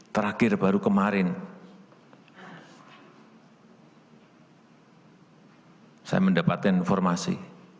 terakhir baru kemarin saya mendapatkan informasi